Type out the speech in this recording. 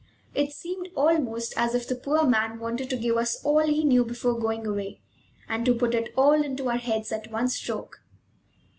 It seemed almost as if the poor man wanted to give us all he knew before going away, and to put it all into our heads at one stroke.